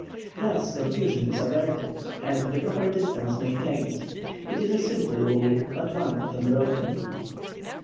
Thus confusion is averted and the proper distance maintained. It is a simple rule, but one often broken.